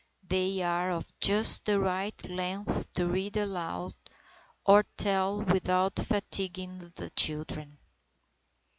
They are of just the right length to read aloud or tell without fatiguing the children.